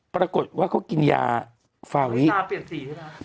ปรากฏว่าเขากินยาฟาวิตาเปลี่ยนสีใช่ไหมครับ